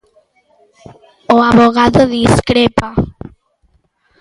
O avogado discrepa.